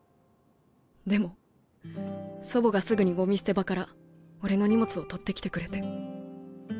でも祖母がすぐにゴミ捨て場から俺の荷物を取ってきてくれて。